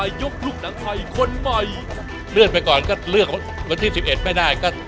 จบข่าวแล้วก็เรียนถูกแบน